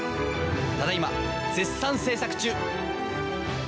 ただいま絶賛制作中！